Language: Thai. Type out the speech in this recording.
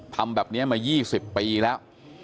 ทำแบบนี้มา๒๐ปีแล้ว